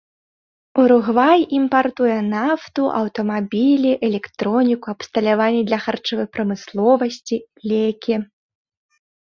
Уругвай імпартуе нафту, аўтамабілі, электроніку, абсталяванне для харчовай прамысловасці, лекі.